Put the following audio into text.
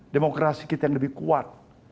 demokrasi kita yang lebih kuat